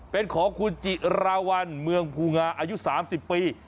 เป็นของคุณจิราวัลเมืองภูงาอายุ๓๐ปี